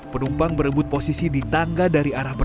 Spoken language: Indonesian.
penumpang berebut posisi di tangga dari arah perjalanan